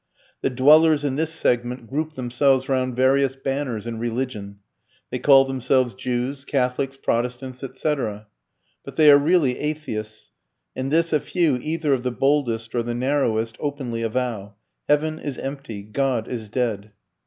The dwellers in this segment group themselves round various banners in religion. They call themselves Jews, Catholics, Protestants, etc. But they are really atheists, and this a few either of the boldest or the narrowest openly avow. "Heaven is empty," "God is dead."